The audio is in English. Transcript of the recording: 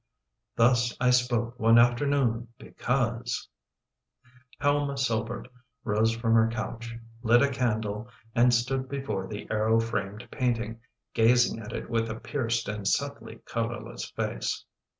" Thus I spoke one afternoon, because —" Helma Solbert rose from her couch, lit a candle and stood before the arrow framed painting, gazing at it with a pierced and subtly colorless face.